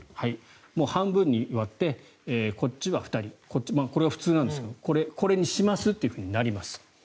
半分に割ってこっちは２人、これが普通ですがこれにしますとなります。